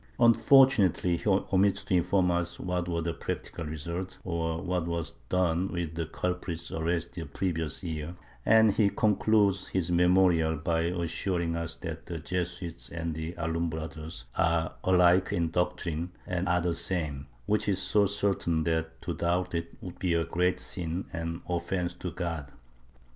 Unfortunately he omits to inform us what were the practical results or what was done with the culprits arrested the previous year, and he concludes his memorial by assuring us that the Jesuits and the Alumbrados are alike in doctrine and are the same, which is so certain that to doubt it would be great sin and offence to God.